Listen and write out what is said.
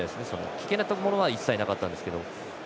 危険なものは一切なかったんですけど。